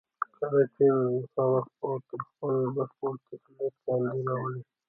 کله چې هغه تر خپل بشپړ تسلط لاندې راولئ.